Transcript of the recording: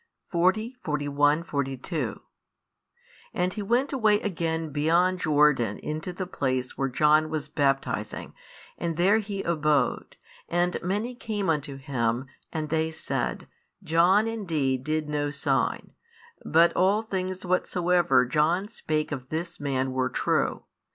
40, 41, 42 And He went away again beyond Jordan into the place where John was baptizing; and there He abode. And many came unto Him; and they said, John indeed did no sign: but all things whatsoever John spake of this Man were true.